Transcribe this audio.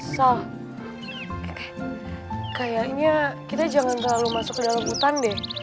so kayaknya kita jangan ga lalu masuk ke dalam hutan deh